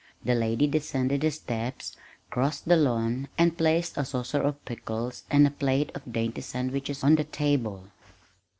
The lady descended the steps, crossed the lawn and placed a saucer of pickles and a plate of dainty sandwiches on the table.